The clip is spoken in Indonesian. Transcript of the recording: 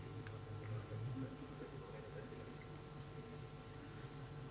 yang kondisif kerdis lanc ameras